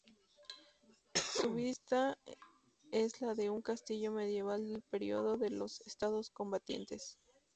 Su vista es la de un castillo medieval del periodo de los estados combatientes.